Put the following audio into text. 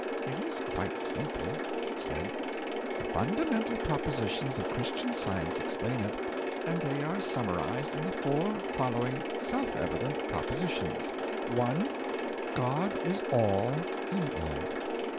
'It is quite simple,' she said; 'the fundamental propositions of Christian Science explain it, and they are summarised in the four following self evident propositions: 1. God is All in all.